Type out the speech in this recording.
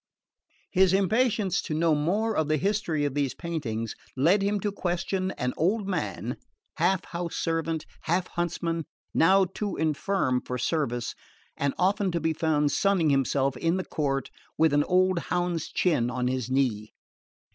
His impatience to know more of the history of these paintings led him to question an old man, half house servant, half huntsman, now too infirm for service and often to be found sunning himself in the court with an old hound's chin on his knee.